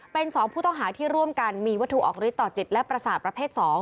เป็น๒ผู้ต้องหาที่ร่วมกันมีวัตถุออกฤทธิต่อจิตและประสาทประเภท๒